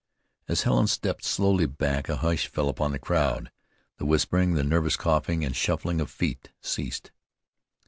As Helen stepped slowly back a hush fell upon the crowd. The whispering, the nervous coughing, and shuffling of feet, ceased.